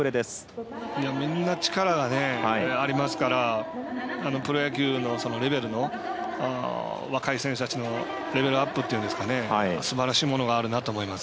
みんな力がありますからプロ野球、若い選手たちのレベルアップというのはすばらしいものがあると思います。